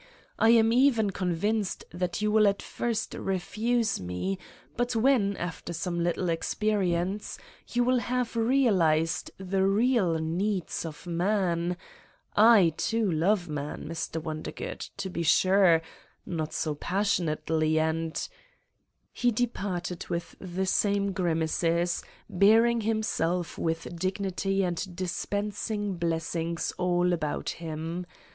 I am even convinced that you will at first refuse me, but when, after some little experience, you will have realized the real needs of man ... I, too, love man, Mr. Wondergood, to be sure, not so passionately and ...' He departed with the same grimaces, bearing himself with dignity and dispensing blessings all about him.